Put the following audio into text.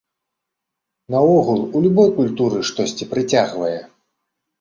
Наогул, у любой культуры штосьці прыцягвае.